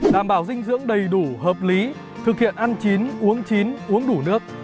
đảm bảo dinh dưỡng đầy đủ hợp lý thực hiện ăn chín uống chín uống đủ nước